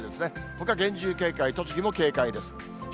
ほか厳重警戒、栃木も警戒です。